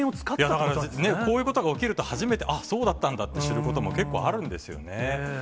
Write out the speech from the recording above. だから、こういうことが起きると、初めてあっ、そうだったんだって、知ることも結構あるんですよね。